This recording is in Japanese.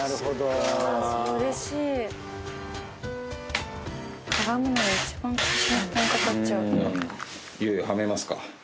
いよいよはめますか。